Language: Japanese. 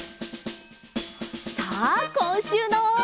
さあこんしゅうの。